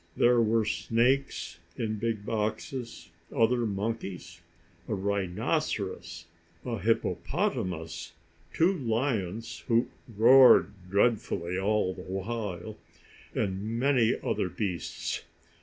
There were snakes, in big boxes, other monkeys, a rhinoceros, a hippopotamus, two lions, who roared dreadfully all the while, and many other beasts.